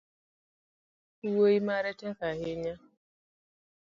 Wuoi mare tek ahinya